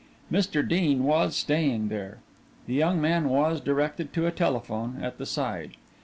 Mr. Dean was staying there. The young man was directed to a telephone at the side.